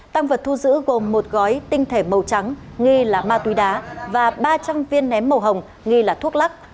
tăng vật thu giữ gồm một gói tinh thể màu trắng nghi là ma túy đá và ba trăm linh viên ném màu hồng nghi là thuốc lắc